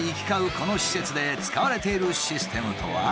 この施設で使われているシステムとは。